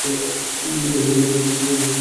বহুভাগ্যের ধন চিরজন্মের মতো চলে গেল।